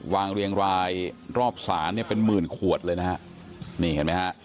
เรียงรายรอบศาลเนี่ยเป็นหมื่นขวดเลยนะฮะนี่เห็นไหมฮะ